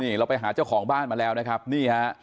นี่เราไปหาเจ้าของบ้านมาแล้วนะครับนี่ฮะ